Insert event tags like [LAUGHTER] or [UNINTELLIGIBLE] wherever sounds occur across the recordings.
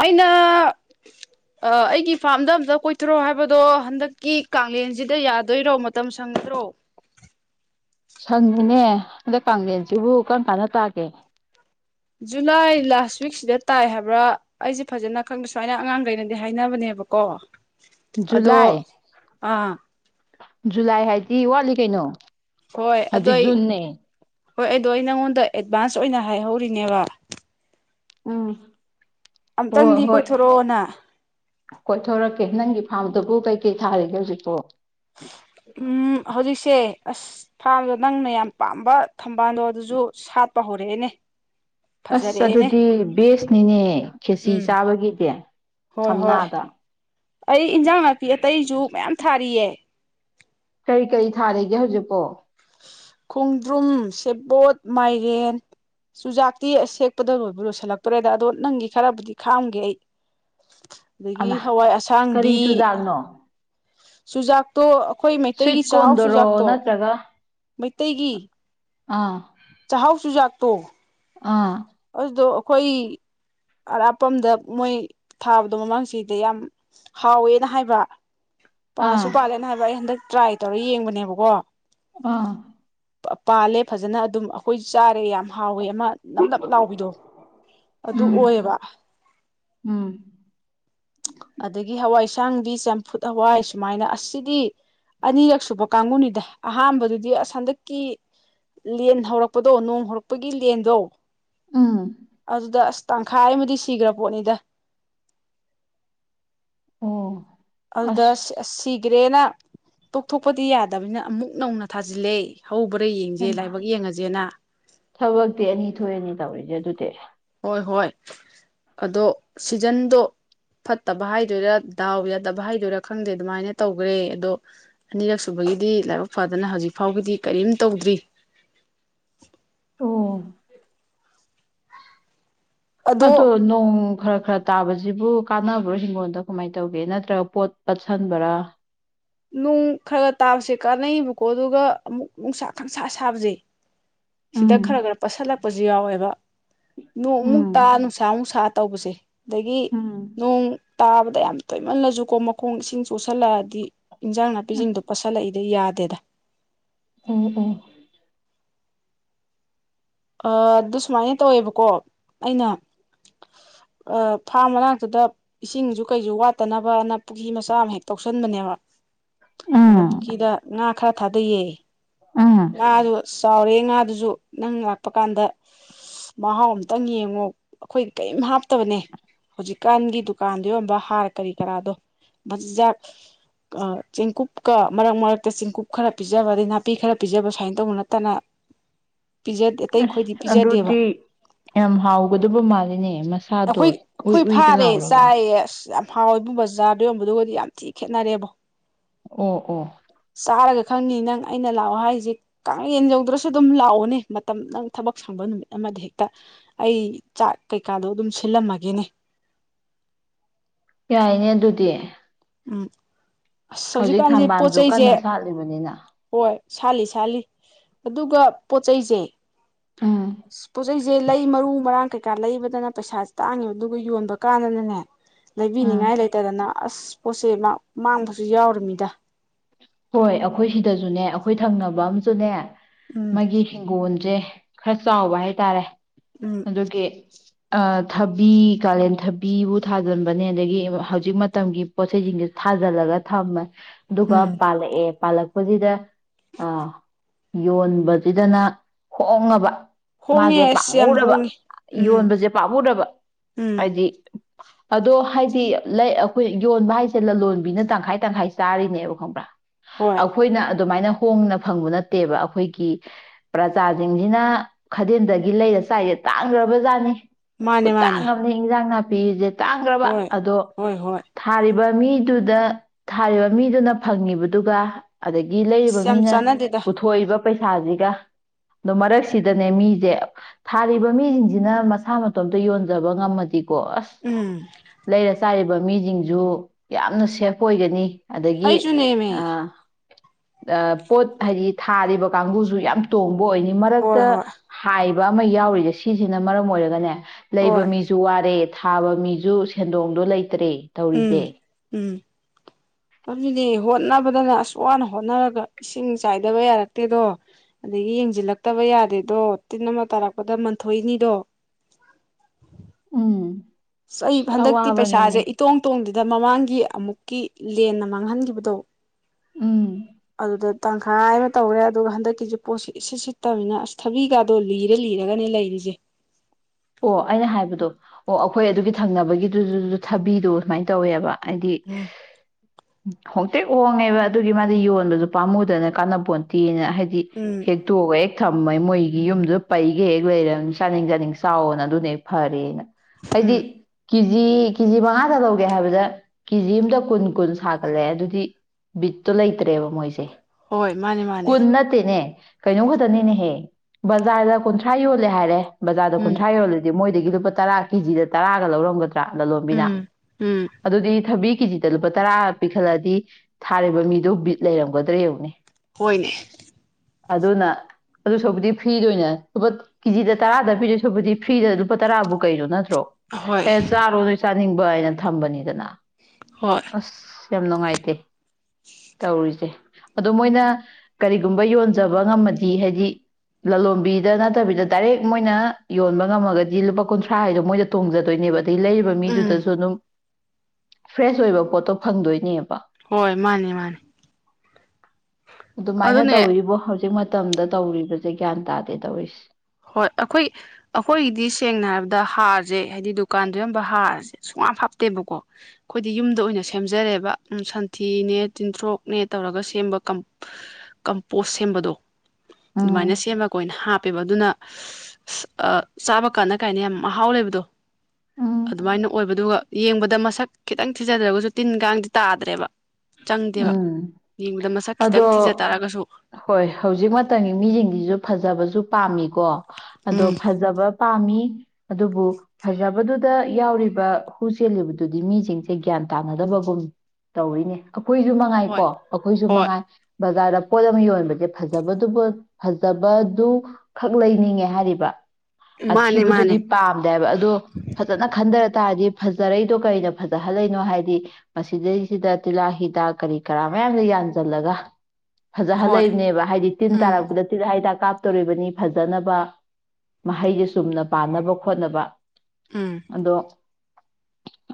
ꯑꯩꯅ ꯑꯩꯒꯤ ꯐꯥꯔꯝꯗ ꯑꯝꯇ ꯀꯣꯏꯊꯣꯔꯛꯑꯣ ꯍꯥꯏꯕꯗꯣ ꯍꯟꯗꯛꯀꯤ ꯀꯂꯦꯟꯁꯤꯗ ꯌꯥꯗꯣꯏꯔꯣ ꯃꯇꯝ ꯁꯪꯗ꯭ꯔꯣ ꯁꯪꯉꯤꯅꯦ ꯍꯟꯗꯛ ꯀꯥꯂꯦꯟꯁꯤꯕꯨ ꯀꯔꯝ ꯀꯥꯟꯅ ꯇꯥꯒꯦ ꯖꯨꯂꯥꯏ ꯂꯥꯁ ꯋꯤꯛꯁꯤꯗ ꯇꯥꯏ ꯍꯥꯏꯕ꯭ꯔꯥ ꯑꯩꯁꯦ ꯐꯖꯅ ꯈꯪꯗꯦ ꯁꯨꯃꯥꯏꯅ ꯑꯉꯥꯡꯈꯩꯅꯗꯤ ꯍꯥꯏꯅꯕꯅꯦꯕꯀꯣ ꯑꯗꯣ ꯑꯥ ꯖꯨꯨꯂꯥꯏ ꯍꯥꯏꯗꯤ ꯋꯥꯂꯤ ꯀꯩꯅꯣ ꯍꯣꯏ ꯑꯗꯨꯣ ꯍꯧꯖꯤꯛ ꯑꯩ ꯖꯨꯟꯅꯦ ꯍꯣꯏ ꯑꯩꯗꯣ ꯑꯩ ꯅꯪꯉꯣꯟꯗ ꯑꯦꯗꯚꯥꯟꯁ ꯑꯣꯏꯅ ꯍꯥꯏꯍꯧꯔꯤꯅꯦꯕ ꯎꯝ ꯍꯣꯏ ꯑꯝꯇꯪꯗꯤ ꯍꯣꯏ ꯀꯣꯏꯊꯣꯔꯛꯑꯣꯅ ꯀꯣꯏꯊꯣꯔꯛꯀꯦ ꯅꯪꯒꯤ ꯐꯥꯝꯗꯨꯕꯨ ꯀꯩꯀꯩ ꯊꯥꯔꯤꯒꯦ ꯍꯧꯖꯤꯛꯄꯨ ꯎꯝ ꯍꯧꯖꯤꯛꯁꯦ ꯑꯁ ꯊꯥꯕꯗꯣ ꯅꯪꯅ ꯌꯥꯝ ꯄꯥꯝꯕ ꯊꯝꯕꯥꯜꯗꯣ ꯑꯗꯨꯁꯨ ꯁꯥꯠꯄ ꯍꯧꯔꯛꯑꯦꯅꯦ ꯑꯁ ꯐꯖꯔꯛꯑꯦꯅꯦ ꯑꯗꯨꯗꯤ ꯕꯦꯁꯅꯤꯅꯦ ꯈꯦꯁꯤ ꯎꯝ ꯆꯥꯕꯒꯤꯗꯤ ꯍꯣꯏ ꯍꯣꯏ ꯊꯝꯅꯥꯗ ꯑꯩ ꯏꯟꯖꯥꯡ ꯅꯥꯄꯤ ꯑꯇꯩꯁꯨ ꯃꯌꯥꯝ ꯊꯥꯔꯤꯌꯦ ꯀꯔꯤ ꯀꯔꯤ ꯊꯥꯔꯤꯒꯦ ꯍꯧꯖꯤꯛꯄꯣ ꯈꯣꯡꯗ꯭ꯔꯨꯝ ꯁꯦꯕꯣꯠ ꯃꯥꯏꯔꯦꯟ ꯆꯨꯖꯥꯛꯇꯤ ꯍꯦꯛꯄꯗ ꯂꯣꯏꯕ ꯂꯣꯏꯁꯤꯜꯂꯛꯇꯣꯔꯦꯗ ꯑꯗꯣ ꯅꯪꯒꯤ ꯈꯔꯕꯨꯗꯤ ꯈꯥꯝꯒꯦ ꯑꯩ ꯑꯗꯒꯤ ꯑꯃ ꯍꯋꯥꯏ ꯀꯔꯤ ꯑꯁꯥꯡꯕꯤ ꯆꯨꯖꯥꯛꯅꯣ ꯆꯨꯖꯥꯥꯛꯇꯣ ꯑꯩꯈꯣꯏ ꯁ꯭ꯋꯤꯠ ꯃꯩꯇꯩꯒꯤ ꯆꯥꯛꯍꯥꯎ ꯀꯣꯔꯟꯗꯔꯣ ꯆꯨꯖꯥꯛꯇꯣ ꯅꯠꯇ꯭ꯔꯒ ꯃꯩꯇꯩꯒꯤ ꯑꯥ ꯆꯥꯛꯍꯥꯎꯆꯨꯖꯥꯛꯇꯣ ꯑꯥ ꯑꯗꯨꯗꯣ ꯑꯩꯈꯣꯏ ꯑꯔꯥꯞꯄꯗ ꯃꯣꯏ ꯊꯥꯕꯗꯣ ꯃꯃꯥꯡꯁꯤꯗ ꯌꯥꯝ ꯍꯥꯎꯋꯦꯅ ꯍꯥꯏꯕ ꯑꯥ ꯄꯥꯁꯨ ꯄꯥꯂꯦꯅ ꯍꯥꯏꯕ ꯑꯩ ꯍꯟꯗꯛ ꯇ꯭ꯔꯥꯏ ꯇꯧꯔ ꯌꯦꯡꯕꯅꯦꯕꯀꯣ ꯑꯥ ꯄꯥꯜꯂꯦ ꯐꯖꯅ ꯑꯗꯨꯝ ꯑꯩꯈꯣꯏ ꯆꯥꯔꯦ ꯌꯥꯝ ꯍꯥꯎꯋꯦ ꯃ ꯅꯞꯅꯞ ꯂꯥꯎꯕꯤꯗꯣ ꯑꯗꯨ ꯎꯝ ꯑꯣꯏꯌꯦꯕ ꯎꯝ ꯑꯗꯒꯤ ꯍꯋꯥꯏ ꯍꯛꯁꯥꯡꯕꯤ ꯆꯝꯐꯨꯠ ꯍꯋꯥꯏ ꯁꯨꯃꯥꯏꯅ ꯑꯁꯤꯗꯤ ꯑꯅꯤꯔꯛ ꯁꯨꯕ ꯀꯥꯡꯕꯨꯨꯅꯤꯗ ꯑꯍꯥꯟꯕꯗꯨꯗꯤ ꯍꯟꯗꯛꯀꯤ ꯂꯦꯟ ꯍꯧꯔꯛꯄꯗꯣ ꯅꯣꯡ ꯍꯧꯔꯛꯄꯒꯤ ꯂꯦꯟꯗꯣ ꯎꯝ ꯑꯗꯨꯗ ꯑꯁ ꯇꯪꯈꯥꯏ ꯑꯃꯗꯤ ꯁꯤꯈ꯭ꯔ ꯄꯣꯠꯅꯤꯗ ꯑꯣ ꯑꯗꯨꯗ ꯑꯁ ꯑꯁꯤ ꯒ꯭ꯔꯦꯅ ꯇꯣꯛꯊꯣꯛꯄꯗꯤ ꯌꯥꯗꯕꯅꯤꯅ ꯑꯃꯨꯛ ꯅꯧꯅ ꯊꯥꯖꯤꯜꯂꯦ ꯍꯧꯕ꯭ꯔꯥ ꯌꯦꯡꯁꯦ ꯂꯥꯏꯕꯛ ꯌꯦꯡꯉꯁꯦꯅ ꯊꯕꯛꯇꯤ ꯑꯅꯤ ꯊꯣꯛꯑꯅꯤ ꯇꯧꯔꯤꯁꯦ ꯑꯗꯨ ꯇꯤ ꯍꯣꯏ ꯍꯣꯏ ꯑꯗꯣ ꯁꯤꯖꯟꯗꯣ ꯐꯠꯇꯕ ꯍꯥꯏꯗꯣꯏꯔꯥ ꯗꯥꯎ ꯌꯥꯗꯕ ꯍꯥꯏꯗꯣꯏꯔꯥ ꯈꯪꯗꯦ ꯑꯗꯨꯃꯥꯏꯅ ꯇꯧꯈ꯭ꯔꯦ ꯑꯗꯣ ꯑꯅꯤꯔꯛꯁꯨꯨꯕꯒꯤꯗꯤ ꯂꯥꯏꯕꯛ ꯐꯗꯅ ꯍꯧꯖꯤꯛ ꯐꯥꯎꯒꯤꯗꯤ ꯀꯔꯤꯝ ꯇꯧꯗ꯭ꯔꯤ ꯑꯣ ꯑꯗꯣ ꯅꯣꯡ ꯈꯔ ꯈꯔ ꯇꯥꯕꯁꯤꯕꯨ ꯀꯥꯟꯅꯕ꯭ꯔꯣ ꯍꯤꯡꯒꯣꯜꯗ ꯀꯃꯥꯏꯅ ꯇꯧꯒꯦ ꯅꯠꯇ꯭ꯔꯒ ꯄꯣꯠ ꯄꯠꯁꯤꯟꯕꯔꯥ ꯅꯣꯡ ꯈꯔ ꯇꯥꯕꯁꯦ ꯀꯥꯟꯅꯩꯌꯦꯕꯀꯣ ꯑꯗꯨꯒ ꯑꯃꯨꯛ ꯅꯨꯡꯁꯥ ꯈꯪꯁꯥ ꯁꯥꯕꯁꯦ ꯁꯤꯗ ꯎꯝ ꯈꯔꯒꯔ ꯐꯁꯜꯂꯛ ꯄꯁꯨ ꯌꯥꯎꯋꯦꯕ ꯅꯣꯡꯃꯨꯛ ꯇꯥ ꯎꯝ ꯅꯨꯡꯁꯥ ꯑꯃꯨꯛ ꯁꯥ ꯇꯧꯕꯁꯦ ꯑꯗꯒꯤ ꯎꯝ ꯅꯣꯡ ꯇꯥꯕꯗ ꯌꯥꯝ ꯇꯣꯏꯃꯜꯂꯁꯨꯀꯣ ꯃꯈꯣꯡ ꯏꯁꯤꯡ ꯆꯣꯁꯜꯂꯛꯑꯗꯤ ꯏꯟꯖꯥꯡ ꯅꯥꯄꯤꯁꯤꯡꯗꯣ ꯄꯣꯠꯁꯤꯜꯂꯛꯏꯗ ꯌꯥꯗꯦꯗ ꯑꯣ ꯑꯣ ꯑꯗꯨ ꯁꯨꯃꯥꯏꯅ ꯇꯧꯋꯦꯕꯀꯣ ꯑꯩꯅ ꯐꯥꯔꯝ ꯃꯅꯥꯛꯇꯨꯗ ꯏꯁꯤꯡꯁꯨ ꯀꯩꯁꯨ ꯋꯥꯠꯇꯅꯕꯅ ꯄꯨꯔꯤ ꯃꯆꯥ ꯑꯃ ꯍꯦꯛ ꯇꯧꯁꯟꯕꯅꯦꯕ ꯑꯗ ꯎꯝ ꯄꯨꯈꯤꯗ ꯉꯥ ꯈꯔ ꯊꯥꯗꯣꯏꯌꯦ ꯎꯝ ꯑ ꯑꯗꯨ ꯆꯥꯎꯔꯦ ꯉꯥꯗꯨꯁꯨ ꯅꯪ ꯂꯥꯛ ꯍꯥꯞꯄꯀꯥꯟꯗ ꯃꯍꯥꯎ ꯑꯃꯝꯇꯪ ꯌꯦꯡꯉꯣ ꯑꯩꯈꯣꯏꯗꯤ ꯀꯔꯤꯝ ꯍꯥꯞꯇꯕꯅꯦ ꯍꯧꯖꯤꯛꯀꯥꯟꯒꯤ ꯗꯨꯀꯥꯟꯗ ꯌꯣꯟꯕ ꯍꯥꯔ ꯀꯔꯤ ꯀꯔꯥꯗꯣ ꯃꯆꯤꯟꯖꯥꯛ ꯆꯦꯡꯀꯨꯞꯀ ꯃꯔꯛ ꯃꯔꯛꯇ ꯆꯦꯡꯀꯨꯞ ꯈꯔ ꯄꯤꯖꯕ ꯑꯗꯩ ꯅꯥꯄꯤ ꯈꯔ ꯄꯤꯖꯕ ꯁꯨꯃꯥꯏꯅ ꯇꯧꯕ ꯅꯠꯇꯅ ꯄꯤꯖ ꯑꯁ ꯑꯗꯨꯗꯤ ꯌꯥꯝ ꯍꯥꯎꯒꯗꯕ ꯃꯥꯜꯂꯤꯅꯦ ꯃꯁ ꯑꯩꯈꯣꯏ ꯑꯩꯈꯣꯏ ꯐꯥꯔꯦ ꯆꯥꯏꯌꯦ ꯑꯁ ꯌꯥꯝ ꯍꯥꯎꯋꯦ ꯏꯕꯨꯡ ꯕꯖꯥꯔꯗꯣ ꯌꯣꯟꯕꯗꯨꯒꯗꯤ ꯌꯥꯝꯤ ꯈꯦꯠꯅꯔꯦꯕꯣ ꯑꯣ ꯑꯣ ꯈꯪꯉꯤ ꯅꯪ ꯑꯩꯅ ꯂꯥꯛꯑꯣ ꯍꯥꯏꯔꯤꯁꯦ ꯀꯥꯡꯂꯦꯟ ꯌꯧꯗ꯭ꯔꯁꯨ ꯑꯗꯨꯝ ꯂꯥꯛꯑꯣꯅꯦ ꯃꯇꯝ ꯅꯪ ꯊꯕꯛ ꯁꯪꯕ ꯅꯨꯃꯤꯠ ꯑꯃꯗ ꯍꯦꯛꯇ ꯑꯩ ꯆꯥꯛ ꯀꯩꯀꯥꯗꯣ ꯑꯗꯨꯝ ꯁꯤꯜꯂꯝꯃꯒꯦꯅꯦ ꯌꯥꯏꯅꯦ ꯑꯗꯨꯗꯤ ꯎꯝ ꯑꯁ ꯍꯧꯖꯤꯛ ꯍꯧꯖꯤꯛꯀꯥꯟꯁꯦ ꯄꯣꯠ ꯊꯝꯕꯥꯜꯁꯨ ꯆꯩꯁꯦ ꯀꯟꯅ ꯁꯥꯠꯂꯤꯕꯅꯤꯅ ꯍꯣꯏ ꯁꯥꯠꯂꯤ ꯁꯥꯠꯂꯤ ꯑꯗꯨꯒ ꯄꯣꯠ ꯆꯩꯩꯁꯦ ꯎꯝ ꯄꯣꯠꯆꯩꯁꯦ ꯂꯩ ꯃꯔꯨ ꯃꯔꯥꯡ ꯀꯩꯀꯥ ꯂꯩꯕꯗꯅ ꯄꯩꯁꯥꯥꯁꯦ ꯇꯥꯡꯉꯦꯕ ꯑꯗꯨꯒ ꯌꯣꯟꯕ ꯀꯥꯟꯗꯅꯅꯦ ꯎꯝ ꯂꯩꯕꯤꯅꯤꯡꯉꯥꯏ ꯂꯩꯇꯗꯅ ꯑꯁ ꯄꯣꯠꯁꯦ ꯃꯥꯡꯕꯁꯨ ꯌꯥꯎꯔꯃꯤꯗ ꯍꯣꯏ ꯑꯩꯈꯣꯏ ꯁꯤꯗꯁꯨꯅꯦ ꯑꯩꯈꯣꯏ ꯊꯪꯅꯕ ꯑꯃꯁꯝꯨꯅꯦ ꯎꯝ ꯃꯥꯒꯤ ꯍꯒꯣꯟ ꯁꯦ ꯈꯔ ꯆꯥꯎꯕ ꯍꯥꯏꯇꯥꯔꯦ ꯎꯝ ꯑꯗꯨꯒꯤ ꯊꯕꯤ ꯀꯥꯂꯦꯟ ꯊꯕꯤꯕꯨ ꯊꯥꯖꯤꯟꯕꯅꯦ ꯑꯗꯒꯤ ꯍꯧꯖꯤꯛ ꯃꯇꯝꯒꯤ ꯄꯣꯠꯆꯩ ꯆꯩꯁꯤꯡꯁꯦ ꯊꯥꯖꯤꯜꯂꯒ ꯊꯝꯃꯦ ꯎꯝ ꯗꯨꯒꯥꯥꯞ ꯄꯥꯜꯂꯛꯑꯦ ꯄꯥꯜꯂꯛꯄꯁꯤꯗ ꯑꯥ ꯌꯣꯟꯕꯁꯤꯗꯅ ꯍꯣꯡꯡꯂꯕ ꯍꯣꯡꯉꯦ ꯃꯥꯁꯦ ꯑꯁ ꯌꯥꯝ ꯄꯥꯝꯃꯨꯔꯕ ꯍꯣꯡꯉꯦ ꯎꯝ ꯌꯣꯟꯕꯁꯦ ꯄꯥꯝꯃꯨꯔꯕ ꯎꯝ ꯍꯥꯏꯗꯤ ꯑꯗꯣ ꯍꯥꯏꯗꯤ ꯂꯩ ꯑꯩꯈꯣꯏ ꯌꯣꯟꯕ ꯍꯥꯏꯁꯦ ꯂꯂꯣꯟꯕꯤꯅ ꯇꯪꯈꯥꯏ ꯇꯪꯈꯥꯏ ꯆꯥꯔꯤꯅꯦꯕ ꯈꯪꯕ꯭ꯔꯥ ꯍꯣꯏ ꯑꯩꯈꯣꯏꯅ ꯑꯗꯨꯃꯥꯏꯅ ꯍꯣꯡꯅ ꯐꯪꯕ ꯅꯠꯇꯦꯕ ꯑꯩꯈꯣꯏꯒꯤ ꯄ꯭ꯔꯖꯥꯁꯤꯡꯁꯤꯅ ꯈꯥꯗꯦꯟꯗꯒꯤ ꯂꯩꯔ ꯆꯥꯏꯔꯦ ꯇꯥꯡꯈ꯭ꯔꯕꯖꯥꯠꯅꯤ ꯃꯥꯅꯦ ꯃꯥꯅꯦ ꯈꯨꯠꯇꯥꯡ ꯑꯃꯅꯦ ꯏꯟꯖꯥꯡ ꯅꯥ ꯄꯤꯖꯦ ꯇꯥꯡꯈ꯭ꯔꯕ ꯍꯣꯏ ꯑꯗꯣ ꯍꯣꯏ ꯍꯣꯏ ꯊꯥꯔꯤꯕ ꯃꯤꯗꯨꯗ ꯊꯥꯔꯤꯕ ꯃꯤꯗꯨꯅ ꯐꯪꯉꯤꯕ ꯑꯗꯨꯒ ꯑꯗꯒꯤ ꯂꯩꯔꯤꯕ ꯑꯁ ꯌꯥꯝ ꯃꯤꯅ ꯆꯥꯟꯅꯗꯦꯗ ꯄꯨꯊꯣꯛꯏꯕ ꯄꯩꯁꯥꯁꯤꯒ ꯑꯗꯣ ꯃꯔꯛꯁꯤꯗꯅꯦ ꯃꯤꯁꯦ ꯊꯥꯔꯤꯕ ꯃꯤꯁꯤꯡꯁꯤꯅ ꯃꯁꯥ ꯃꯇꯣꯝꯇ ꯌꯣꯟꯖꯕ ꯉꯝꯃꯗꯤ ꯀꯣ ꯑꯁ ꯎꯝ ꯂꯩꯔꯁ ꯆꯥꯏꯔꯤꯕ ꯃꯤꯁꯤꯡꯁꯨ ꯌꯥꯝꯅ ꯁꯦꯐ ꯑꯣꯏꯒꯅꯤ ꯑꯗꯒꯤ ꯑꯩꯖꯨꯅꯦꯃꯤ ꯄꯣꯠ ꯍꯥꯏꯗꯤ ꯊꯥꯔꯤꯕ ꯀꯥꯡꯕꯨꯁꯨ ꯌꯥꯝ ꯇꯣꯡꯉꯤ ꯕ ꯑꯣꯏꯅꯤ ꯍꯣꯏ ꯃꯔꯛꯇ ꯍꯣꯏ ꯍꯥꯏ ꯑꯃ ꯌꯥꯎꯔꯤꯁꯦ ꯁꯤꯁꯤꯅ ꯃꯔꯝ ꯑꯣꯏꯔꯒꯅꯦ ꯂꯩꯕ ꯍꯣꯏ ꯃꯤꯁꯨ ꯋꯥꯔꯦ ꯊꯥꯕ ꯃꯤꯁꯨ ꯁꯦꯟꯗꯣꯡꯗꯣ ꯂꯩꯇ ꯎꯝ ꯎꯝ ꯑꯗꯗꯤ ꯍꯣꯠꯅꯕꯗꯅ ꯑꯁꯨ ꯋꯥꯅ ꯍꯣꯠꯅꯔꯒ ꯏꯁꯤꯡ ꯆꯥꯏꯗꯕ ꯌꯥꯔꯛꯇꯦꯗꯣ ꯑꯗꯒꯤ ꯌꯦꯡꯁꯤꯜꯂꯛꯇꯕ ꯌꯥꯗꯦꯗꯣ ꯇꯤꯟ ꯑꯃ ꯇꯥꯔꯛꯄꯗ ꯃꯟꯊꯣꯏꯅꯤꯗꯣ ꯎꯝ ꯑꯩ ꯍꯟꯗꯛꯇꯤ ꯄꯩꯁꯥꯁꯦ ꯏꯇꯣꯡ ꯇꯣꯡꯗꯦꯗ ꯃꯃꯥꯡꯒꯤ ꯑꯃꯨꯛ ꯀꯤ ꯂꯦꯟꯅ ꯃꯥꯡꯍꯟꯈꯤꯕꯗꯣ ꯎꯝ ꯑꯗꯨꯗ ꯇꯪꯈꯥꯏ ꯑꯃ ꯇꯧꯔꯦ ꯑꯗꯨꯒ ꯍꯟꯗꯛꯀꯤꯁꯦ ꯄꯣꯠꯁꯤ ꯏꯠ ꯁꯤꯠꯇꯃꯤꯅ ꯑꯁ ꯊꯕꯤꯒꯗꯣ ꯂꯤꯔ ꯂꯤꯔꯒꯅꯦ ꯂꯩꯔꯤꯁꯦ ꯑꯣ ꯑꯩꯅ ꯍꯥꯏꯕꯗꯣ ꯑꯣ ꯑꯩꯈꯣꯏ ꯑꯗꯨꯒꯤ ꯊꯪꯅꯕꯒꯤꯗꯨꯗꯨ ꯊꯥꯕꯤꯗꯣ ꯁꯨꯃꯥꯏꯅ ꯇꯧꯋꯦꯕ ꯍꯥꯏꯗꯤ ꯎꯝ ꯍ ꯍꯦꯛ ꯍꯣꯡꯉꯦꯕ ꯑꯗꯨꯒꯤ ꯃꯥꯗꯤ ꯌꯣꯟꯕꯁꯨ ꯄꯥꯝꯃꯨꯗꯅ ꯀꯥꯟꯅꯕ ꯄꯣꯟꯇꯤꯅ ꯍꯥꯏꯗꯤ ꯎꯝ ꯍꯦꯛꯇꯒ ꯍꯦꯛ ꯊꯝꯃꯦ ꯃꯣꯏꯒꯤ ꯌꯨꯝꯗꯨꯗ ꯄꯩꯒ ꯍꯦꯛ ꯂꯩꯔꯅꯤ ꯆꯥꯅꯤꯡ ꯆꯥꯅꯤꯡ ꯆꯥꯎꯅ ꯑꯗꯨꯅꯦ ꯐꯔꯦꯅ ꯎꯝ ꯑꯩꯗꯤ ꯀꯤ ꯖꯤ ꯀꯤꯖꯤ ꯃꯉꯥꯗ ꯂꯧꯒꯦ ꯍꯥꯏꯕꯗ ꯀꯤꯖꯤ ꯑꯝꯗ ꯀꯨꯟ ꯀꯨꯟ ꯁꯥꯒꯠꯂꯦ ꯑꯗꯨꯗꯤ ꯕꯤꯠꯇꯣ ꯂꯩꯇ꯭ꯔꯦꯕ ꯃꯣꯏꯁꯦ ꯍꯣꯏ ꯃꯥꯅꯦ ꯃꯥꯅꯦ ꯀꯨꯅ ꯅꯠꯇꯦꯅꯦ ꯀꯩꯅꯣ ꯈꯛꯇꯅꯤꯅꯦꯍꯦ ꯕꯖꯥꯔꯗ ꯀꯨꯟꯊ꯭ꯔꯥ ꯌꯣꯜꯂꯦ ꯍꯥꯏꯔꯦ ꯕꯖꯥꯔ ꯎꯝ ꯀꯨꯟꯊ꯭ꯔꯥꯍꯂꯗꯤꯣꯏ ꯗꯒꯤ ꯂꯨꯄꯥ ꯇꯔꯥ ꯀꯦꯖꯤꯗ ꯇꯔꯥꯒ ꯂꯧꯔꯝꯒꯗ ꯂꯂꯣꯟꯕꯤꯅ ꯎꯝ ꯎꯝ ꯑꯗꯨꯗꯤ ꯊꯕꯤ ꯀꯦꯖꯤꯗ ꯂꯨꯄꯥ ꯇꯔꯥ ꯄꯤꯈꯠꯂꯗꯤ ꯊꯥꯔꯤꯕ ꯃꯤꯗꯣ ꯕꯤꯠ ꯂꯩꯔꯝꯒꯗ꯭ꯔ ꯌꯦꯡꯉꯨꯅꯦ ꯍꯣꯏꯅꯦ ꯑꯗꯨꯅ ꯑꯗꯨ ꯁꯔꯨꯛꯄꯨꯗꯤ ꯐ꯭ꯔꯤꯗ ꯑꯣꯏꯅ ꯄꯕꯠ ꯀꯦꯖꯤꯗ ꯇꯔꯥꯗ ꯄꯤꯗꯣꯏ - ꯄꯤꯕꯕꯨꯗꯤ ꯐ꯭ꯔꯤꯗ ꯂꯨꯄꯥ ꯇꯔꯥꯕꯨ ꯀꯩꯅꯣ ꯅꯠꯇ- ꯇ꯭ꯔꯣ ꯍꯣꯏ ꯑꯦ ꯆꯥꯔꯣ ꯅꯣꯏ ꯆꯥ- ꯆꯥꯅꯤꯡꯕ ꯍꯥꯏꯗꯅ ꯊꯝꯕꯅꯤꯗꯅ ꯍꯣꯏ ꯑꯁ ꯌꯥꯝ ꯅꯨꯡꯉꯥꯏꯇꯦ ꯇꯧꯔꯤꯁꯦ ꯑꯗꯣ ꯃꯣꯏꯅ ꯀꯔꯤꯒꯨꯝꯕ ꯌꯣꯟꯖꯕ ꯉꯝꯃꯗꯤ ꯍꯥꯏꯗꯤ ꯂꯂꯣꯟꯕꯤꯗ ꯅꯠꯇꯕꯤꯗ ꯗꯥꯏꯔꯦꯛ ꯃꯣꯏꯅ- ꯌꯣꯟꯕ ꯉꯝꯃꯒꯗꯤ ꯂꯨꯄꯥ ꯀꯨꯟꯊ꯭ꯔꯥ ꯍꯥꯏꯗꯣ ꯃꯣꯏꯗ ꯇꯣꯡꯖꯗꯣꯏꯅꯦꯕ ꯑ- ꯑꯗꯩ ꯂꯩꯔꯤꯕ ꯎꯝ ꯃꯤꯗꯨꯗꯁꯨ ꯑꯗꯨꯝ ꯐ꯭ꯔꯦꯁ ꯑꯣꯏꯕ ꯄꯣꯠꯇꯣ ꯐꯪꯗꯣꯏꯅꯦꯕ ꯍꯣꯏ ꯃꯥꯅꯤ ꯃꯥꯅꯤ ꯑꯗꯨꯃꯥꯏꯅ ꯇꯧꯔꯤꯕꯣ ꯍꯧꯖꯤꯛ ꯃ- ꯃꯇꯝꯗ ꯇꯧꯔꯤꯕꯁꯦ ꯒ꯭ꯌꯥꯟ ꯇꯥꯗꯦ ꯇꯧꯔꯤꯁꯦ ꯍꯣꯏ ꯑꯩꯈꯣꯏ- ꯑꯩꯈꯣꯏꯒꯤꯗꯤ ꯁꯦꯡꯅ ꯍꯥꯏꯕꯗ ꯍꯥꯔꯖꯦ ꯍꯥꯏꯗꯤ ꯗꯨꯀꯥꯟꯗ ꯌꯣꯟꯕ ꯍꯥꯔꯁꯦ ꯁꯨꯡꯍꯥꯞ ꯍꯥꯞꯇꯦꯕꯀꯣ ꯑꯩꯈꯣꯏꯗꯤ ꯌꯨꯝꯗ ꯑꯣꯏꯅ ꯁꯦꯝꯖꯔꯦꯕ ꯁꯟꯊꯤꯅꯦ ꯇꯤꯟꯊ꯭ꯔꯣꯛꯅꯦ ꯇꯧꯔꯒ ꯁꯦꯝꯕ ꯀꯝ ꯀꯝꯄꯣꯁ ꯁꯦꯝꯕꯗꯣ ꯑꯗꯨꯃꯥꯏꯅ ꯎꯝ ꯁꯦꯝꯃ ꯑꯣꯏꯅ ꯍꯥꯞꯄꯦꯕ ꯑ- ꯗꯨꯅ ꯁꯍꯍ ꯁꯍ ꯑ ꯆꯥꯕ ꯀꯥꯟꯅ ꯀꯩ ꯍꯥꯏꯅꯤ ꯌꯥꯝ ꯃꯍꯥꯎ ꯂꯩꯕꯗꯣ ꯎꯝ ꯑꯗꯨꯃꯥꯏꯅ ꯑꯣꯏꯕꯗꯨꯒ ꯌꯦꯡꯕꯗ ꯃꯁꯛ ꯈꯤꯇꯪ ꯊꯤꯖꯗ꯭ꯔꯒꯁꯨ ꯇꯤꯟ ꯀꯥꯡꯗꯤ ꯇꯥꯗ꯭ꯔꯦꯕ ꯆꯪꯗꯦꯕ ꯎꯝ ꯌꯦꯡꯕꯗ ꯃꯁꯛ ꯑꯗꯣ ꯈꯤꯇꯪ ꯊꯤꯖ ꯇꯥꯔꯒꯁꯨ ꯍꯣꯏ ꯍꯧꯖꯤꯛ ꯃꯇꯝꯒꯤ ꯃꯤꯖꯤꯡꯖꯤꯖꯨ ꯐꯖꯕꯁꯨ ꯄꯥꯝꯃꯤꯀꯣ ꯑꯗꯣ ꯎꯝ ꯐꯖꯕ ꯄꯥꯝꯃꯤ ꯑꯗꯨꯕꯨ ꯐꯖꯕꯗꯨꯗ ꯌꯥꯎꯔꯤꯕ ꯍꯨ ꯆꯦꯜꯂꯤꯕꯗꯨꯗꯤ ꯃꯤꯁꯤꯡꯁꯦ ꯒ꯭ꯌꯥꯟ ꯇꯥꯅꯗꯕꯒꯨꯝ ꯇꯧꯔꯤꯅꯦ ꯑꯩꯈꯣꯏꯁꯨ ꯍꯣꯏ ꯃꯉꯥꯏꯀꯣ ꯑꯩꯈꯣꯏꯁꯨ ꯍꯣꯏ ꯃꯉꯥꯏ ꯕꯖꯥꯔꯗ- ꯄꯣꯠ ꯑꯃ ꯌꯣꯟꯕꯁꯦ ꯐꯖꯕꯗꯨꯕ ꯐꯖꯕꯗꯨ ꯈꯛ ꯂꯩꯅꯤꯡꯉꯦ ꯍꯥꯏꯔꯤꯕ ꯃꯥꯅꯦ ꯃꯥꯅꯦ ꯑꯊꯤꯕꯗꯨꯗꯤ ꯄꯥꯝꯗꯦ ꯍꯥꯏꯕ ꯑꯗꯣ ꯐꯖꯅ ꯈꯟꯗꯔ- ꯍꯥꯏ ꯇꯥꯔꯗꯤ ꯐꯖꯔꯩꯗꯣ ꯀꯔꯤꯅ ꯐꯖꯍꯜꯂꯩꯅꯣ ꯍꯥꯏꯗꯤ ꯃꯁꯤꯗꯩꯁꯤꯗ ꯇꯤꯂꯥ ꯍ- ꯍꯤꯗꯥꯛ ꯀꯔꯤ ꯀꯔꯥ ꯃꯌꯥꯝꯁꯦ ꯌꯥꯟꯖꯜꯂꯒ ꯍꯣꯏ ꯐꯖꯍꯜꯂꯛꯏꯕꯅꯦꯕ ꯍꯥꯏꯗꯤ ꯇꯤꯟ ꯎꯝ ꯇꯥꯔꯛꯄꯗ ꯇꯤꯜ ꯍꯥꯠ ꯍꯤꯗꯥꯛ ꯀꯥꯞ- ꯇꯣꯔꯤꯕꯅꯤ ꯐꯖꯅꯕ ꯃꯍꯩꯁꯦ ꯆꯨꯝꯅ ꯄꯥꯟꯅꯕ ꯈꯣꯠꯅꯕ ꯎꯝ ꯑꯗꯣ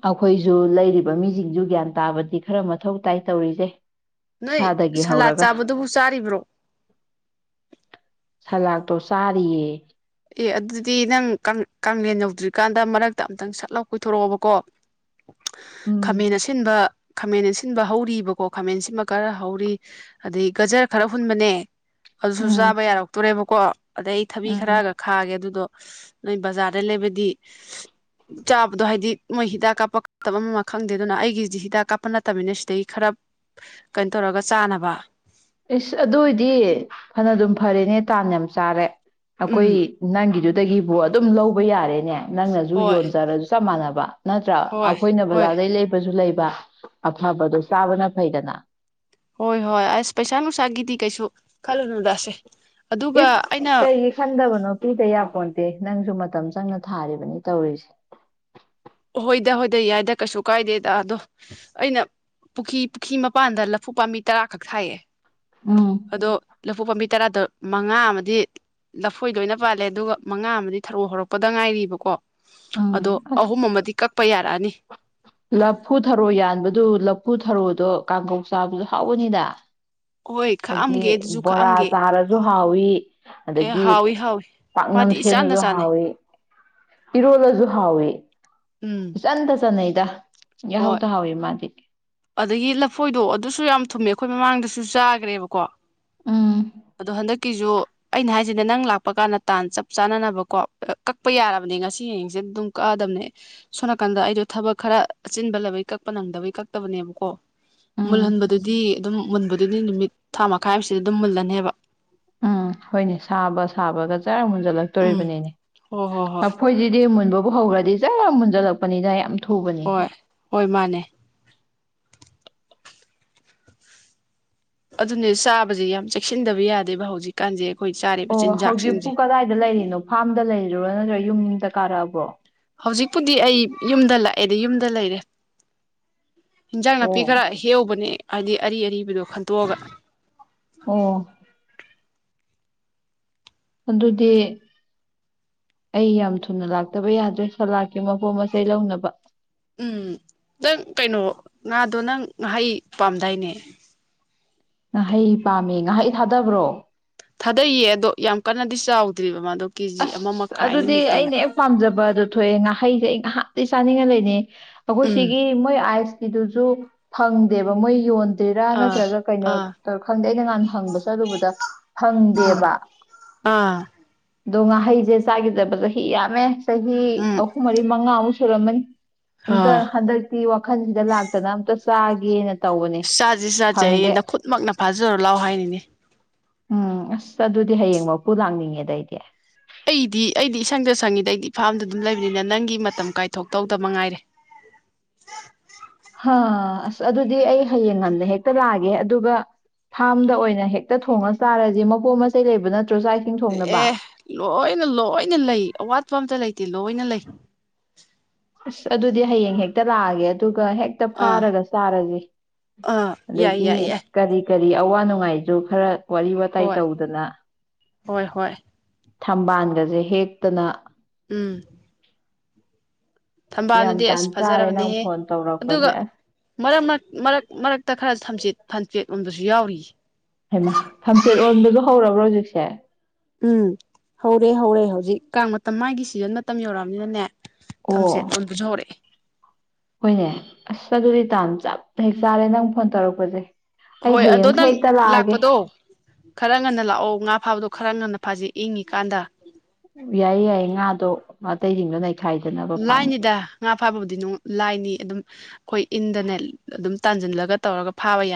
ꯑꯩꯈꯣꯏꯁꯨ ꯂꯩꯔꯤꯕ ꯃꯤꯁꯤꯡꯁꯨ ꯒ꯭ꯌꯥꯟ ꯇꯥꯕꯗꯤ ꯈꯔ ꯃ- ꯊꯧ ꯇꯥꯏ ꯇꯧꯔꯤꯖꯦ ꯅꯣꯏ ꯁꯂꯥꯠ ꯆꯥꯕꯗꯨꯕꯨ ꯆꯥꯔꯤꯕ꯭ꯔꯣ ꯁꯂꯥꯥꯛꯇꯣ ꯆꯥꯔꯤꯌꯦ ꯑꯦ ꯑꯗꯨꯗꯤ ꯅꯪ ꯀꯦꯟ ꯌꯧꯗ꯭ꯔꯤꯀꯥꯟꯗ ꯃꯔꯛꯇ ꯑꯝꯇꯪ ꯁꯠꯂꯥꯎ ꯀꯣꯏꯊꯣꯔꯛꯑꯣꯕꯀꯣ ꯎꯝ ꯈꯥꯃꯦꯟ ꯑꯁꯤꯟꯕ ꯈꯥꯃꯦꯟ ꯑꯁꯤꯟꯕ ꯍꯧꯔꯤꯕꯀꯣ ꯈꯥꯃꯦꯟ ꯑꯁꯤꯟꯃ ꯈꯔ ꯍꯧꯔꯤ ꯑꯗꯗꯒꯤ ꯒꯖꯔ ꯈꯔ ꯍꯨꯟꯕꯅꯦ ꯑꯗꯨꯁꯨ ꯎꯝ ꯆꯥꯕ ꯌꯥꯔꯛꯇꯣꯔꯦꯕ [UNINTELLIGIBLE] ꯑꯗꯩ ꯊꯕꯤ ꯎꯝ ꯈꯔꯒ ꯑꯗꯨꯗꯣ ꯅꯣꯏ ꯕꯖꯥꯔꯗ ꯂꯩꯕꯗꯤ ꯆꯥꯕꯗꯣ ꯍꯥꯏꯗꯤ ꯃꯣꯏ ꯍꯤꯗꯥꯛ ꯀꯥꯞꯄ ꯀꯥꯇꯕ ꯑꯃꯃ ꯈꯪꯗꯦ ꯑꯗꯨꯅ ꯑꯩꯒꯤꯁꯤ ꯍꯤꯗꯥꯛ ꯀꯥꯞꯄ ꯅꯠꯇꯕꯅꯤꯅ ꯁꯤꯗꯒꯤꯩ ꯈꯔ ꯀꯩꯅꯣ ꯇꯧꯔꯒ ꯆꯥꯅꯕ ꯏꯁꯁ ꯑꯗꯨꯏꯗꯤ ꯐꯅ ꯑꯗꯨꯝ ꯐꯔꯦꯅꯦ ꯇꯥꯟꯅ ꯌꯥꯝ ꯆꯥꯔꯦ ꯀꯣꯏ ꯎꯝ ꯅꯒꯤꯗꯨ ꯗꯒꯤꯕꯨ ꯑꯗꯨꯝ ꯂꯧꯕ ꯌꯥꯔꯦꯅꯦ ꯅꯪꯅꯁꯨ ꯍꯣꯏ ꯌꯣꯟ ꯆꯔꯁꯨ ꯆꯞ ꯃꯥꯟꯅꯕ ꯋꯥ ꯅꯠꯇ꯭ꯔꯥ ꯍꯣꯏ ꯑꯩꯈꯣꯏꯅ ꯍꯣꯏ ꯕꯖꯥꯔꯗꯩ ꯂꯩꯕꯁꯨ ꯂꯩꯕ ꯑꯐꯕꯗꯣ ꯆꯥꯕꯅ ꯐꯩꯗꯅ ꯍꯣꯏ ꯍꯣꯏ ꯑꯁ ꯄꯩꯁꯥ ꯅꯨꯡꯁꯥꯒꯤꯗꯤ ꯀꯩꯁꯨ ꯈꯜꯂꯨꯅꯨꯗꯁꯦ ꯑꯗꯨꯒ ꯏꯁ ꯑꯩꯅ ꯀꯩꯒꯤ ꯈꯟꯗꯕꯅꯣ ꯄꯤꯗ ꯌꯥꯄꯣ ꯅꯪꯁꯨ ꯃꯇꯝ ꯆꯪꯅ ꯊꯥꯔꯤꯕꯅꯤ ꯇꯧꯔꯤꯁꯦ ꯍꯣꯏꯗ ꯍꯣꯏꯗ ꯌꯥꯏꯗ ꯀꯩꯁꯨ ꯀꯥꯏꯗꯦꯗ ꯑꯗꯣ ꯑꯩꯅ ꯄꯨꯈ꯭ꯔꯤ ꯄꯨꯈ꯭ꯔꯤ ꯃꯄꯥꯟꯗ ꯂꯐꯨ ꯄꯥꯝꯕꯤ ꯇꯔꯥꯈꯛ ꯊꯥꯏꯌꯦ ꯎꯝ ꯑꯗꯣ ꯂꯐꯨ ꯄꯥꯝꯕꯤ ꯇꯔꯥꯗꯣ ꯃꯉꯥ ꯑꯃꯗꯤ ꯂꯐꯣꯏ ꯂꯣꯏꯅ ꯄꯥꯜꯂꯦ ꯑꯗꯨꯒ ꯃꯉꯥ ꯑꯃꯗꯤ ꯊꯔꯣ ꯍꯧꯔꯛꯄꯗ ꯉꯥꯏꯔꯤꯕꯀꯣ ꯎꯝ ꯑꯗꯣ ꯑꯁ ꯑꯍꯨꯝ ꯑꯃ ꯇꯔꯥꯅꯤ ꯂꯐꯨ ꯊꯔꯣ ꯌꯥꯟꯕꯗꯨ ꯂꯐꯨ ꯊꯔꯣꯗꯣ ꯀꯥꯡꯄꯧ ꯆꯥꯕꯗ ꯍꯥꯎꯕꯅꯤꯅ ꯍꯣꯏ ꯑꯗꯒꯤ ꯈꯥꯛꯑꯝꯒꯦ ꯑꯗꯨꯁꯨ ꯕꯣꯔꯥ ꯈꯥꯛꯑꯝꯒꯦ ꯆꯥꯔꯁꯨ ꯊꯥꯎꯋꯤ ꯑꯦ ꯑꯗꯒꯤ ꯍꯥꯎꯏ ꯍꯥꯎꯏ ꯄꯥꯛꯅꯝ ꯃꯥꯗꯤ ꯏꯆꯥꯟꯗ ꯁꯦꯝꯃꯁꯨ ꯆꯥꯅꯩ ꯍꯥꯎꯋꯤ ꯏꯔꯣꯜꯂꯁꯨ ꯍꯋꯦ ꯎꯝ ꯆꯗ ꯆꯅ ꯏꯗ ꯍꯣꯏ ꯍꯎꯗ ꯍꯥꯎꯋꯦ ꯃꯥꯗꯤ ꯑꯗꯒꯤ ꯂꯐꯣꯏꯗꯣ ꯑꯗꯨꯁꯨ ꯌꯥꯝ ꯊꯨꯝꯃꯦ ꯑꯩꯈꯣꯏ ꯃꯃꯥꯡꯗꯁꯨ ꯆꯥꯈ꯭ꯔꯦꯕꯀꯣ ꯎꯝ ꯑꯣ ꯍꯟꯗꯛꯀꯤꯁꯨ ꯑꯩꯅ ꯍꯥꯏꯁꯤꯅꯦ ꯅꯪ ꯂꯥꯛꯄ ꯀꯥꯟꯗ ꯇꯥꯟ ꯆꯞ ꯆꯥꯅꯅꯕꯀꯣ ꯀꯛꯄ ꯌꯥꯔꯕꯅꯦ ꯉꯁꯤ ꯌꯦꯡꯡꯁꯦ ꯑꯗꯨꯝ ꯀꯛꯑꯗꯕꯅꯦ ꯁꯣꯝ ꯅꯥꯀꯟꯗ ꯑꯩꯗꯣ ꯊꯕꯛ ꯈꯔ ꯑꯆꯤꯟꯕ ꯂꯕꯩ ꯀꯛꯄ ꯅꯪꯗꯕꯩ ꯀ ꯆꯠꯇꯕꯅꯦꯕꯀꯣ ꯎꯝ ꯃꯨꯜꯍꯟꯕꯗꯨꯗꯤ ꯑꯗꯨꯝ ꯃꯨꯟꯕꯗꯨꯗꯤ ꯅꯨꯃꯤꯠ ꯊꯥꯃ ꯑꯈꯥꯏꯕꯁꯤꯗꯤ ꯑꯗꯨꯝ ꯃꯨꯜꯂꯅꯦꯕ ꯎꯝ ꯍꯣꯏꯅꯦ ꯁꯥꯕ ꯁꯥꯕꯒ ꯆꯥꯔ ꯎꯝ ꯂꯛꯇꯣꯅꯤ ꯍꯣꯏ ꯍꯣꯏ ꯍꯣꯏ ꯂꯐꯣꯏꯁꯤꯗꯤ ꯃꯨꯟꯕ ꯍꯧꯈ꯭ꯔꯗꯤ ꯆꯔ ꯃꯨꯟꯖꯜꯂꯛꯄꯅꯤꯅ ꯌꯥꯝ ꯊꯨꯕꯅꯤ ꯍꯣꯏ ꯍꯣꯏ ꯃꯥꯅꯦ ꯑꯗꯨꯅꯦ ꯆꯥꯕꯁꯦ ꯌꯥꯝ ꯆꯦꯛꯁꯤꯟꯗꯕ ꯌꯥꯗꯦꯕ ꯍꯧꯖꯤꯛꯀꯥꯟꯁꯦ ꯑꯩꯈꯣꯏ ꯆꯥꯔꯤꯕ ꯑꯣ ꯍꯧꯖꯤꯛꯄꯨ ꯆꯤꯟꯖꯥꯛꯁꯤꯡꯁꯦ ꯀꯗꯥꯏꯗ ꯂꯩꯔꯤꯅꯣ ꯐꯥꯔꯝꯗ ꯂꯩꯔꯤꯅꯣ ꯑꯗꯨ ꯅꯠꯇ꯭ꯔꯒ ꯌꯨꯝ ꯌꯨꯝꯗ ꯀꯥꯔꯛꯑꯕ꯭ꯔꯣ ꯍꯧꯖꯤꯛꯄꯨꯗꯤ ꯑꯩ ꯌꯨꯝꯗ ꯂꯥꯛꯑꯦꯗꯤ ꯌꯨꯝꯗ ꯂꯩꯔꯦ ꯏꯟꯖꯥꯡ ꯅꯥꯄꯤ ꯑꯣ ꯈꯔ ꯍꯦꯛꯎꯕꯅꯦ ꯑꯗꯤ ꯑꯔꯤ ꯑꯔꯤꯕꯗꯣ ꯈꯟꯇꯣꯛꯑꯒ ꯑꯣ ꯑꯗꯨꯗꯤ ꯑꯩ ꯌꯥꯝ ꯊꯨꯅ ꯂꯥꯛꯇꯕ ꯌꯥꯗ꯭ꯔꯦ ꯁꯂꯥꯠꯀꯤ ꯃꯄꯣ ꯃꯆꯩ ꯂꯧꯅꯕ ꯎꯝ ꯅꯪ ꯀꯩꯅꯣ ꯉꯥꯗꯣ ꯅꯪ ꯉꯥꯍꯩ ꯄꯥꯝꯗꯥꯏꯅꯦ ꯉꯍꯩ ꯄꯥꯝꯃꯤ ꯉꯍꯩ ꯊꯥꯗꯕ꯭ꯔꯣ ꯊꯥꯗꯩꯑꯌꯦ ꯑꯗꯣ ꯌꯥꯝ ꯀꯟꯅꯗꯤ ꯆꯥꯎꯗ꯭ꯔꯤꯕ ꯃꯥꯗꯣ ꯀꯦꯖꯤ ꯑꯃ ꯑꯁ ꯃꯈꯥꯏ ꯑꯗꯨꯗꯤ ꯑꯅꯤꯃꯨꯛꯇ ꯑꯩꯅ ꯉꯥꯏ ꯌꯥꯝ ꯄꯥꯝꯖꯕ ꯑꯗꯨ ꯊꯣꯛꯑꯦ ꯉꯍꯩꯁꯦ ꯑꯩ ꯍꯥꯇ ꯆꯥꯅꯤꯡꯉꯥꯏ ꯂꯩꯅꯤ ꯑꯩꯈꯣꯏ ꯎꯝ ꯁꯤꯒꯤ ꯃꯣꯏ ꯑꯥꯏꯁ ꯀꯤꯗꯨꯁꯨ ꯐꯪꯗꯦꯕ ꯃꯣꯏ ꯌꯣꯟ ꯔꯥ ꯑꯥ ꯅꯠꯇ꯭ꯔꯒ ꯀꯩꯅꯣ ꯑꯥ ꯈꯪꯗꯦ ꯑꯩꯅ ꯅꯍꯥꯟ ꯍꯪꯕ ꯆꯠꯂꯨꯕꯗ ꯎꯝ ꯐꯪꯗꯦꯕ ꯑꯥ ꯑꯗꯣ ꯉꯥꯍꯩꯁꯦ ꯆꯥꯈꯤꯗꯕꯗꯣ ꯍꯤ ꯌꯥꯝꯃꯦ ꯆꯍꯤ ꯎꯝ ꯑꯍꯨꯝ ꯃꯔꯤ ꯃꯉꯥꯃꯨꯛ ꯁꯨꯔꯃꯟ ꯑꯝꯇ ꯑꯥ ꯍꯟꯗꯛꯇꯤ ꯋꯥꯈꯜꯁꯤꯗ ꯂꯥꯛꯇꯅ ꯑꯝꯇ ꯆꯥꯒꯦꯅ ꯇꯧꯕꯅꯦ ꯆꯥꯖꯤ ꯆꯥꯖꯦ ꯍꯥꯏꯌꯦ ꯐꯪꯗꯦ ꯅꯈꯨꯠꯃꯛꯅ ꯐꯥꯖꯔꯣ ꯂꯥꯎ ꯍꯥꯏꯅꯤꯅꯦ ꯎꯝ ꯑꯁ ꯑꯗꯨꯗꯤ ꯍꯌꯦꯡꯃꯛꯄꯨ ꯂꯥꯛꯅꯤꯡꯉꯦꯗ ꯑꯩꯗꯤ ꯑꯩꯗꯤ ꯑꯩꯗꯤ ꯏꯁꯪꯗ ꯁꯪꯉꯤꯗ ꯑꯩꯗꯤ ꯐꯥꯝꯗ ꯑꯗꯨꯝ ꯂꯩꯕꯅꯤꯅ ꯅꯪꯒꯤ ꯃꯇꯝ ꯀꯥꯏꯊꯣꯛ ꯇꯧꯗꯕ ꯉꯥꯏꯔꯦ ꯑ ꯑꯁ ꯑꯗꯨꯗꯤ ꯑꯩ ꯍꯌꯦꯡ ꯉꯟꯗ ꯍꯦꯛꯇ ꯂꯥꯛꯑꯒꯦ ꯑꯗꯨꯒ ꯐꯥꯔꯝꯗ ꯑꯣꯏꯅ ꯍꯦꯛꯇ ꯊꯣꯡꯉ ꯆꯥꯔꯖꯤ ꯃꯄꯣꯠ ꯃꯆꯩ ꯂꯩꯕꯅ ꯑꯦ ꯂꯣꯏꯅ ꯂꯣꯏꯅ ꯂꯩ ꯑꯋꯥꯠ ꯑꯝꯇ ꯂꯩꯇꯦ ꯂꯣꯏꯅ ꯂꯩ ꯑꯁ ꯑꯗꯨꯗꯤ ꯍꯌꯦꯡ ꯍꯦꯛꯇ ꯂꯥꯛꯑꯒꯦ ꯑꯗꯨ ꯍꯦꯛꯇ ꯑꯥ ꯐꯥꯔꯒ ꯆꯥꯔꯁꯤ ꯑꯥ ꯌꯥꯏ ꯑꯗꯒꯤ ꯌꯥꯏ ꯌꯥꯏ ꯀꯔꯤ ꯀꯔꯤ ꯑꯋꯥ ꯅꯨꯡꯉꯥꯏꯁꯨ ꯈꯔ ꯋꯥꯔꯤ ꯋꯥꯇꯥꯏ ꯍꯣꯏ ꯇꯧꯗꯅ ꯍꯣꯏ ꯍꯣꯏ ꯊꯝꯕꯥꯜꯒꯁꯦ ꯍꯦꯛꯇꯅ ꯎꯝ [INAUDIBLE] ꯌꯥꯝ ꯊꯝꯕꯥꯜꯗꯨꯗꯤ ꯑꯁ ꯇꯥꯟ ꯆꯥꯔꯦ ꯅꯪ ꯐꯖꯔꯕꯅꯦꯍꯦ ꯐꯣꯟ ꯑꯗꯨꯒ ꯇꯧꯔꯛꯄꯁꯦ ꯑꯁ ꯃꯔꯛ ꯃꯔꯛ ꯃꯔꯛꯇ ꯈꯔꯠ ꯌꯝꯗꯁꯨ ꯌꯥꯎꯔꯤ ꯍꯩꯃ ꯐꯝꯆꯦꯠ ꯑꯣꯟꯕꯗꯣ ꯍꯧꯔꯕ꯭ꯔꯣ ꯍꯧꯖꯤꯛꯁꯦ ꯎꯝ ꯍꯧꯔꯦ ꯍꯧꯔꯦ ꯍꯧꯖꯤꯛ ꯀꯥꯡ ꯃꯇꯝ ꯃꯥꯒꯤ ꯁꯤꯖꯟ ꯃꯇꯝ ꯌꯧꯔꯛꯑꯕꯅꯤꯅꯅꯦ ꯑꯣ ꯊꯝꯆꯦꯠ ꯑꯣꯟꯕꯁꯨ ꯍꯧꯔꯛꯑꯦ ꯍꯣꯏꯅꯦ ꯑꯁ ꯆ ꯑꯗꯨꯗꯤ ꯇꯥꯅ ꯆꯞ ꯍꯦꯛ ꯆꯥꯔꯦ ꯅꯪ ꯐꯣꯟ ꯇꯧꯔꯛꯄꯁꯦ ꯑꯩ ꯍꯣꯏ ꯑꯗꯣ ꯍꯌꯦꯡꯃꯨꯛ ꯅꯪ ꯍꯦꯛꯇ ꯂꯥꯛꯑꯒꯦ ꯂꯥꯛꯄꯗꯣ ꯈꯔ ꯉꯟꯅ ꯂꯥꯛꯑꯣ ꯉꯥ ꯐꯥꯕꯗꯣ ꯈꯔ ꯉꯟꯅ ꯐꯥꯖꯩ ꯏꯪꯉꯤ ꯀꯥꯟꯗ ꯌꯥꯏꯌꯦ ꯌꯥꯏ ꯉꯥꯗꯣ ꯑꯇꯩꯁꯤꯡꯗꯣ ꯂꯩ ꯂꯥꯏꯟꯗ ꯍꯥ ꯐꯥꯕꯕꯨꯗꯤ ꯅꯨꯡ ꯂꯥꯏꯅꯤ ꯑꯗꯨꯝ ꯑꯩꯈꯣꯏ ꯏꯟꯗꯅꯦꯠ ꯑꯗꯨꯝ ꯇꯥꯟꯁꯤꯜꯂꯒ ꯇꯧꯔꯒ ꯐꯥꯕ ꯌꯥꯏꯅꯤ